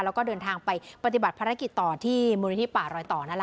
แล้วก็เดินทางไปปฏิบัติภารกิจต่อที่มูลนิธิป่ารอยต่อนั่นแหละ